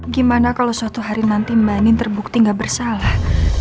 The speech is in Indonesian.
gimana kalau suatu hari nanti mbak nin terbukti gak bersalah